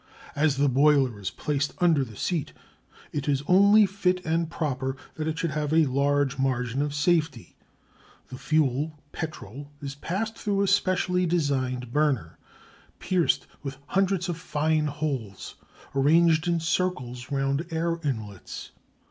As the boiler is placed under the seat it is only fit and proper that it should have a large margin of safety. The fuel, petrol, is passed through a specially designed burner, pierced with hundreds of fine holes arranged in circles round air inlets.